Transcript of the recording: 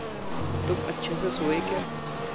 तुम अच्छे से सोये क्या?